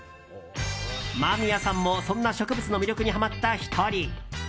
間宮さんもそんな植物の魅力にハマった１人。